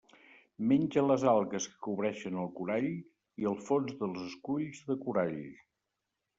Menja les algues que cobreixen el corall i el fons dels esculls de corall.